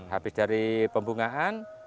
habis dari pembungaan